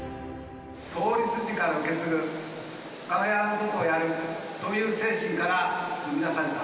創立時から受け継ぐ、ほかのやらぬことをやるという精神から生み出された。